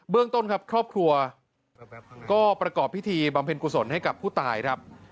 เรื่องต้นครับครอบครัวก็ประกอบพิธีบำเพ็ญกุศลให้กับผู้ตายครับ